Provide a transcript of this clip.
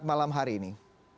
salam hari ini